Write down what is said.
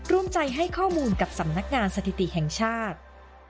ร่วมใจให้ข้อมูลกับสำนักงานสถิติแห่งชาติ